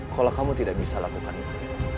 kalau kamu tidak bisa lakukan itu